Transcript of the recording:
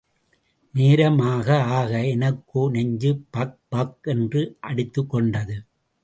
நேரமாக ஆக எனக்கோ நெஞ்சு பக்பக் என்று அடித்துக்கொண்டது.